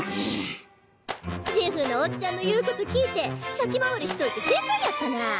ジェフのおっちゃんの言う事聞いて先回りしといて正解やったな。